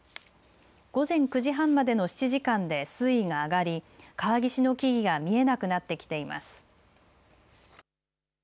午前９時半までの７時間で水位が上がり川岸の木々が見えなくなってきています。